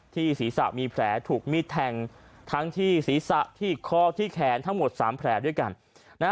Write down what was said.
ศีรษะมีแผลถูกมีดแทงทั้งที่ศีรษะที่คอที่แขนทั้งหมด๓แผลด้วยกัน